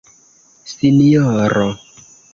sinjoro